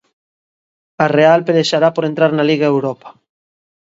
A Real pelexará por entrar na Liga Europa.